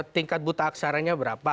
tingkat buta aksaranya berapa